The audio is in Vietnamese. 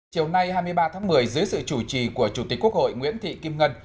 chiều nay hai mươi ba tháng một mươi dưới sự chủ trì của chủ tịch quốc hội nguyễn thị kim ngân